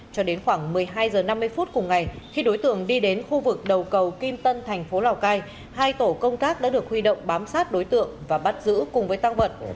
cho đến khoảng một mươi hai h năm mươi phút cùng ngày khi đối tượng đi đến khu vực đầu cầu kim tân thành phố lào cai hai tổ công tác đã được huy động bám sát đối tượng và bắt giữ cùng với tăng vật